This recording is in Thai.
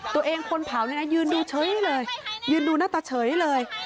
ตัวเองคนเผานี่นะยืนดูเฉยเลย